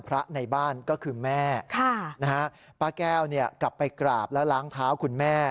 พระในบ้านก็คือแม่ป้าแก้วกลับไปกราบแล้วล้างเท้าคุณแม่